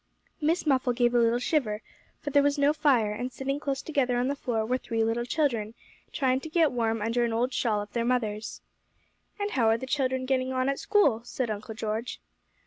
Miss Muffle gave a little shiver, for there was no fire, and sitting close together on the floor were three little children, trying to get warm under an old shawl of their mother's. 'And how are the children getting on at school?' said Uncle George.